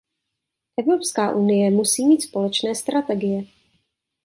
Evropská unie musí mít společné strategie.